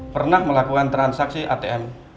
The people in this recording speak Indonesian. pernah melakukan transaksi atm